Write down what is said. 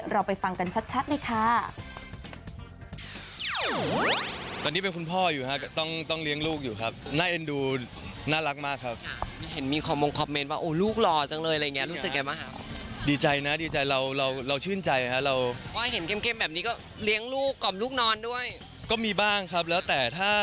เราไปฟังกันชัดเลยค่ะ